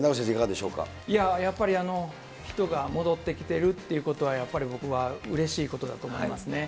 やっぱり人が戻ってきているということは、やっぱり僕はうれしいことだと思いますね。